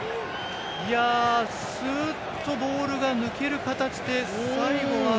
スーッとボールが抜ける形で最後は。